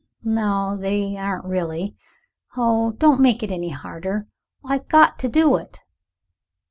No, they aren't really! Oh, don't make it any harder. I've got to do it."